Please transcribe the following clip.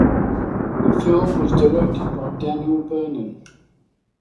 The film was directed by Daniel Vernon.